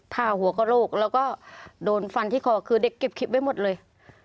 ผ้าหัวกระโลกแล้วก็โดนฟันที่คอคือเด็กเก็บคลิปไว้หมดเลย